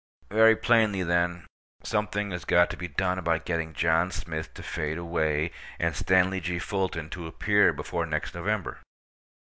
Very plainly, then, something has got to be done about getting John Smith to fade away, and Stanley G. Fulton to appear before next November.